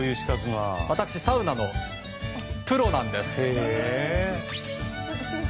私、サウナのプロなんです。